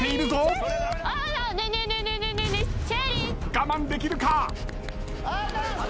我慢できるか？